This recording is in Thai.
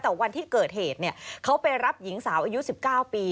แต่วันที่เกิดเหตุเขาไปรับหญิงสาวอายุ๑๙ปี